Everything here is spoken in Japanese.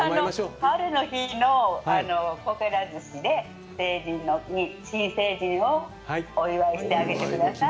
ハレの日のこけら寿司で成人の日、新成人をお祝いしてあげてください。